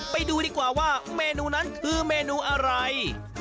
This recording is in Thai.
ไปดูดีกว่าว่าเมนูนั้นคือเมนูอะไร